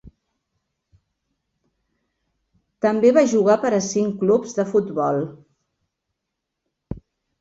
També va jugar per a cinc clubs de futbol.